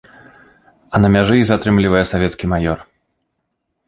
А на мяжы іх затрымлівае савецкі маёр.